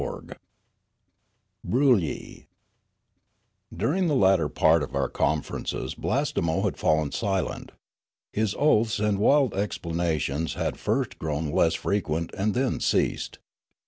CHAPTER XXXVI BROOLYI DURING the latter part of our conferences Blasterno had fallen silent ; his oaths and wild exclam ations had first grown less frequent and then ceased.